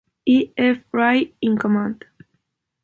E. F. Rye in command.